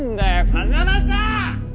風真さん！